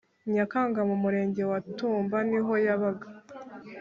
nyakanga mu murenge wa tumba niho yabaga.